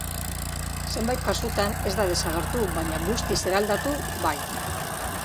Zenbait kasutan ez da desagertu, baina guztiz eraldatu, bai.